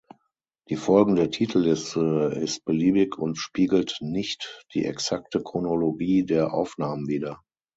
Die folgende Titelliste ist beliebig und spiegelt nicht die exakte Chronologie der Aufnahmen wider.